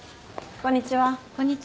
こんにちは。